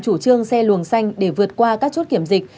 chủ trương xe luồng xanh để vượt qua các chốt kiểm dịch